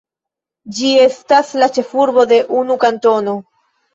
Ĝi estas la ĉefurbo de unu kantono.